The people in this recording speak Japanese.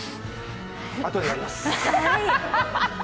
あとでやります。